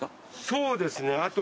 そうですねあと。